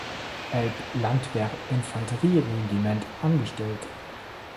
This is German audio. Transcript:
Elb-Landwehr-Infanterieregiment angestellt.